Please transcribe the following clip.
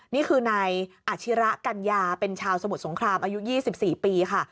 นี่คือนายอาชิระกัญญาเป็นชาวสมุทรสงครามอายุ๒๔ปีค่ะ